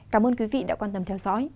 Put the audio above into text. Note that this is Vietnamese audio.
cảm ơn quý vị đã quan tâm theo dõi